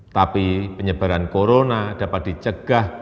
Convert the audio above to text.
tapi penyebaran corona dapat dicegah